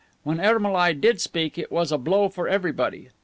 When Ermolai did speak it was a blow for everybody.